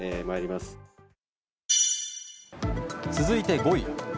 続いて、５位。